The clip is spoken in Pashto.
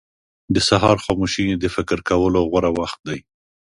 • د سهار خاموشي د فکر کولو غوره وخت دی.